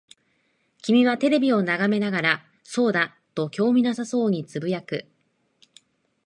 君はテレビを眺めながら、そうだ、と興味なさそうに呟く。